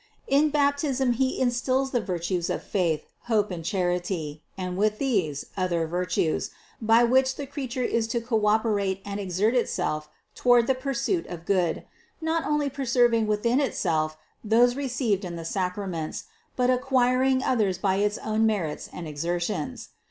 In Baptism He instills the virtues of faith, hope and charity, and with these, other virtues, by which the creature is to co operate and exert itself toward the pursuit of Good, not only preserving within itself those received in the sacraments, but acquiring others by its own merits and exertions.